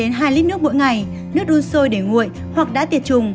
uống một năm hai lít nước mỗi ngày nước đun sôi để nguội hoặc đã tiệt trùng